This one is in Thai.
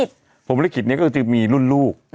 ภพธุลิกฤตก็จะมีรุ่นรูป